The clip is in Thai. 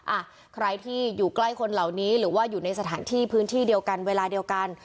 อ่ะใครที่อยู่ใกล้คนเหล่านี้หรือว่าอยู่ในสถานที่พื้นที่เดียวกันเวลาเดียวกัน